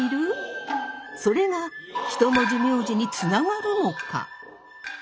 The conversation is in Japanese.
それが一文字名字につながるのか？